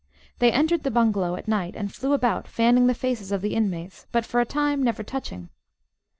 They entered the bungalow at night and flew about, fanning the faces of the inmates, but for a time never touching.